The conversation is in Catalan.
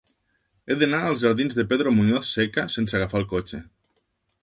He d'anar als jardins de Pedro Muñoz Seca sense agafar el cotxe.